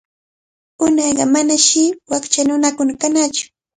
Unayqa manashi wakcha nunakuna kanaqtsu.